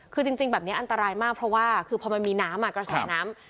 คือจริงแบบนี้อันตรายมากเพราะว่าคือพอมันมีน้ำกระแสน้ำ